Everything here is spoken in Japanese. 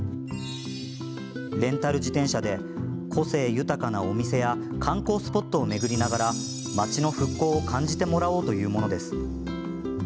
レンタル自転車で個性豊かなお店や観光スポットを巡りながら町の復興を感じてもらおうというものです。